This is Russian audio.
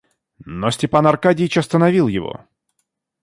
Но Степан Аркадьич остановил его.